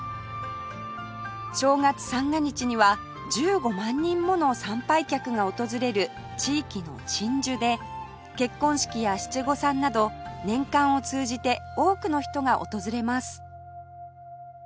正月三が日には１５万人もの参拝客が訪れる地域の鎮守で結婚式や七五三など年間を通じて多くの人が訪れます